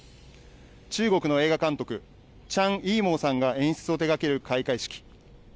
中国の映画監督、チャン・イーモウさんが演出を手がける開会式。